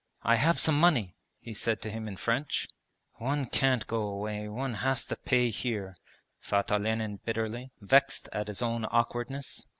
'I have some money,' he said to him in French. 'One can't go away, one has to pay here,' thought Olenin bitterly, vexed at his own awkwardness.